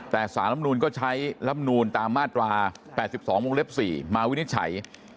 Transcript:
แต่สารลำนูนก็ใช้ลำนูนตามมาตรา๘๒วงเล็บ๔มาวินิจฉัย